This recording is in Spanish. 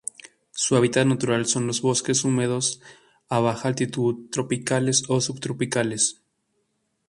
Su hábitat natural son los bosques húmedos a baja altitud tropicales o subtropicales.